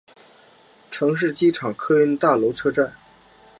城市机场客运大楼车站。